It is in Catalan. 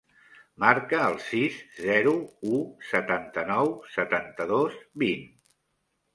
Marca el sis, zero, u, setanta-nou, setanta-dos, vint.